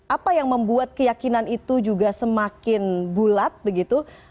apa yang membuat keyakinan itu juga semakin bulat begitu